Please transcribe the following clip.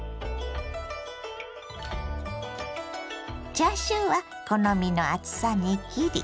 チャーシューは好みの厚さに切り。